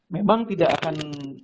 memang tidak akan